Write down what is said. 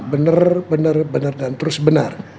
benar benar benar dan terus benar